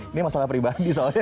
ini masalah pribadi soalnya